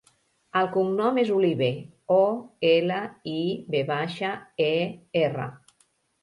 El cognom és Oliver: o, ela, i, ve baixa, e, erra.